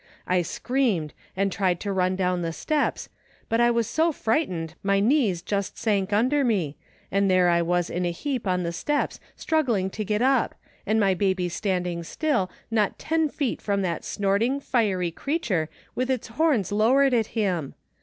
I screamed and tried to run down the steps, but I was so frightened my knees just sank under me, and there I was in a heap on the steps struggling to get up, and my baby standing still, not ten feet from that snorting, fiery creature, with its horns lowered at him.